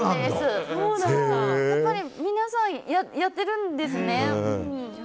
やっぱり皆さんやってるんですね。